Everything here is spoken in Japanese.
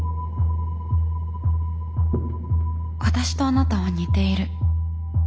私とあなたは似ている。